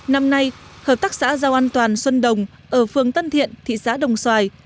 năm nay hợp tác xã rau an toàn xuân đồng ở phường tân thiện thị xã đồng xoài